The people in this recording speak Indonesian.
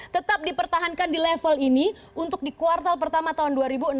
tetap dipertahankan di level ini untuk di kuartal pertama tahun dua ribu enam belas